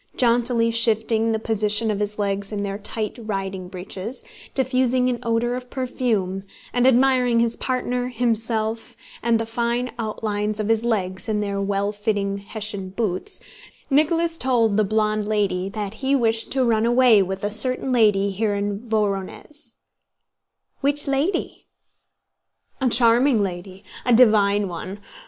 Jauntily shifting the position of his legs in their tight riding breeches, diffusing an odor of perfume, and admiring his partner, himself, and the fine outlines of his legs in their well fitting Hessian boots, Nicholas told the blonde lady that he wished to run away with a certain lady here in Vorónezh. "Which lady?" "A charming lady, a divine one.